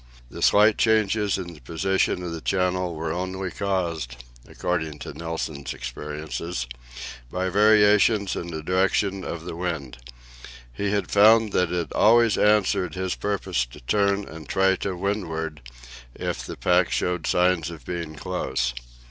The slight changes in the position of the channel were only caused, according to Nilsen's experiences, by variations in the direction of the wind. He had found that it always answered his purpose to turn and try to windward, if the pack showed signs of being close.